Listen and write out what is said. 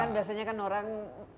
karena biasanya kan orang